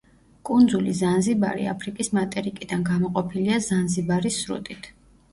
კუნძული ზანზიბარი აფრიკის მატერიკიდან გამოყოფილია ზანზიბარის სრუტით.